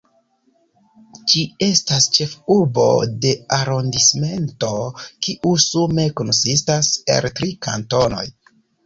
Ĝi estas ĉefurbo de arondismento, kiu sume konsistas el tri kantonoj.